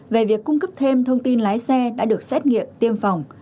về việc cung cấp thêm thông tin lái xe đã được xét nghiệm tiêm phòng